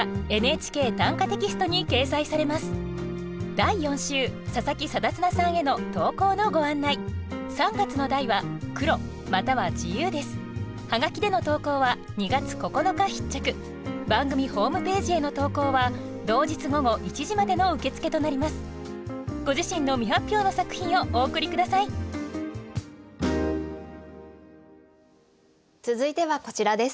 第４週佐佐木定綱さんへの投稿のご案内ご自身の未発表の作品をお送り下さい続いてはこちらです。